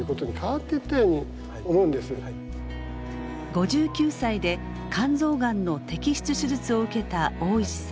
５９歳で肝臓がんの摘出手術を受けた大石さん。